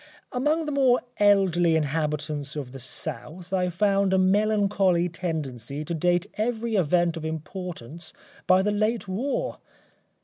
Among the more elderly inhabitants of the South I found a melancholy tendency to date every event of importance by the late war.